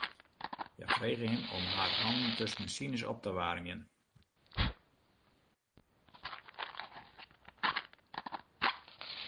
Hja frege him om har hannen tusken sines op te waarmjen.